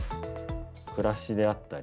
暮らしであったり、